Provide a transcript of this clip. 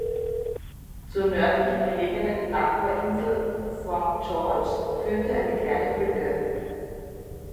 Zur nördlich gelegenen Nachbarinsel Saint George’s führt eine kleine Brücke.